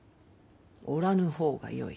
おらぬ方がよい？